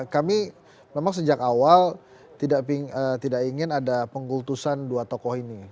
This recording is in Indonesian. kami memang sejak awal tidak ingin ada pengkultusan dua tokoh ini